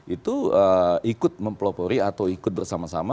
itu ikut mempelopori atau ikut bersama sama